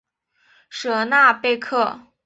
舍纳贝克。